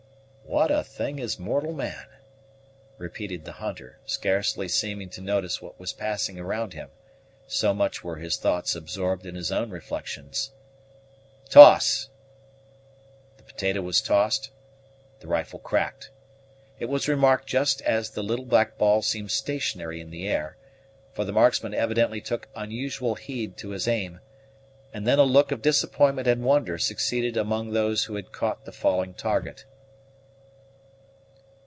"What a thing is mortal man!" repeated the hunter, scarcely seeming to notice what was passing around him, so much were his thoughts absorbed in his own reflections. "Toss!" The potato was tossed, the rifle cracked, it was remarked just as the little black ball seemed stationary in the air, for the marksman evidently took unusual heed to his aim, and then a look of disappointment and wonder succeeded among those who caught the falling target.